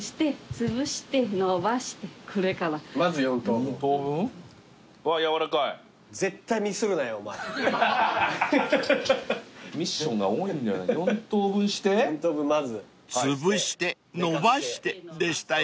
［つぶしてのばしてでしたよね］